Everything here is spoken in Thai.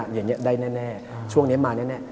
อย่างนี้ได้แน่ช่วงนี้มาแน่